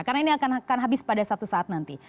karena ini akan habis pada satu saat nanti